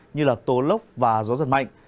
như là tố lốc và gió giật mạnh